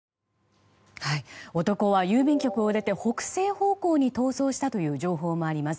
男は郵便局を出て北西方向に逃走したという情報もあります。